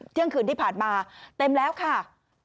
เที่ยงคืนที่ผ่านมาเต็มแล้วค่ะ